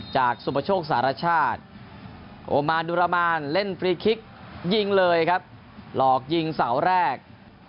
สุประโชคสารชาติโอมานดุรมานเล่นฟรีคลิกยิงเลยครับหลอกยิงเสาแรก